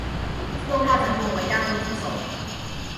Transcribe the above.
自动化程度为亚洲之首。